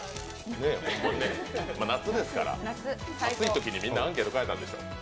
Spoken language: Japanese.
夏ですから、暑いときにみんなアンケート書いたんでしょうね。